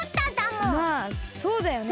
まあそうだよね。